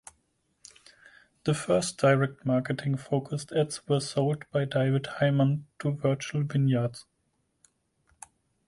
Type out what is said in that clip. The first direct marketing focused ads were sold by David Hyman to Virtual Vineyards.